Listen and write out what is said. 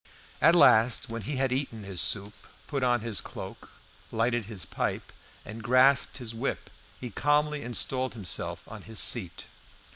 At last, when he had eaten his soup, put on his cloak, lighted his pipe, and grasped his whip, he calmly installed himself on his seat.